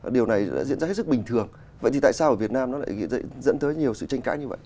điều này đã diễn ra hết sức bình thường vậy thì tại sao ở việt nam nó lại dẫn tới nhiều sự tranh cãi như vậy